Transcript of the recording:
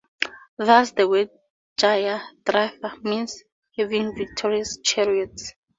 Thus the word "Jayadratha" means, 'having victorious chariots'.